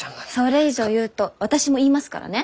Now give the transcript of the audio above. それ以上言うと私も言いますからね。